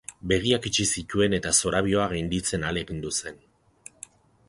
Begiak itxi zituen eta zorabioa gainditzen ahalegindu zen.